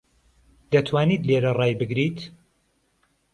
دەتوانیت لێرە ڕای بگریت؟